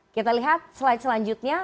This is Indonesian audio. kita lihat slide selanjutnya